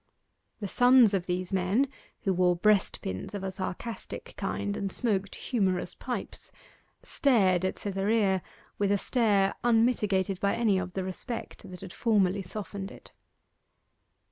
The sons of these men (who wore breastpins of a sarcastic kind, and smoked humorous pipes) stared at Cytherea with a stare unmitigated by any of the respect that had formerly softened it.